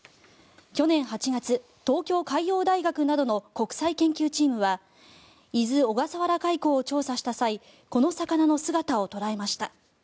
去年８月、東京海洋大学などの国際研究チームは伊豆・小笠原海溝を調査した際この魚の姿を捉えました。